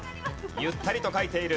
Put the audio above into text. ゆったりと書いている。